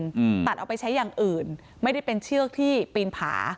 อืมตัดเอาไปใช้อย่างอื่นไม่ได้เป็นเชือกที่ปีนผา